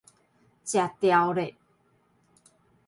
食牢咧